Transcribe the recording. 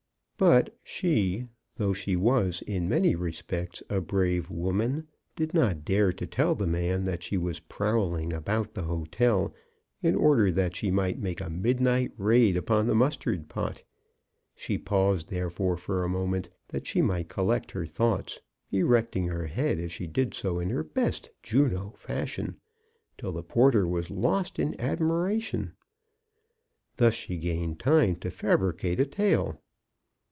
But she, though she was in many respects a brave woman, did not dare to tell the man that she was prowling about the hotel in order that she might make a midnight raid upon the mus tard pot. She paused, therefore, for a moment, MRS. brown's success. 1 3 that she might collect her thoughts, erecting her head as she did so in her best Juno fashion, till the porter was lost in admiration. Thus she gained time to fabricate a tale.